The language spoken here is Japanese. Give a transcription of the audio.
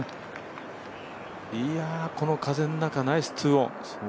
いやこの風の中、ナイス２オン。